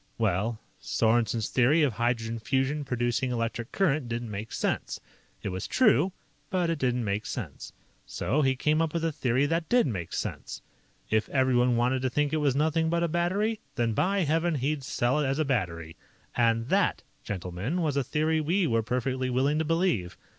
"Well, Sorensen's theory of hydrogen fusion producing electric current didn't make sense. It was true, but it didn't make sense. "So he came up with a theory that did make sense. If everyone wanted to think it was 'nothing but a battery', then, by Heaven, he'd sell it as a battery. And that, gentlemen, was a theory we were perfectly willing to believe.